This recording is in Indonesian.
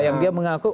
yang dia mengaku